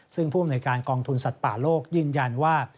ซึ่งผู้เหมือนการกองทุนสัตว์ป่าโลกยึ่งยันว่า